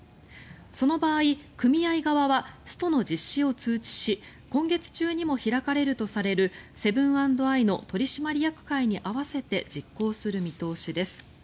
その場合、組合側はストの実施を通知し今月中にも開かれるとされるセブン＆アイの取締役会に合わせて実行する見通しです。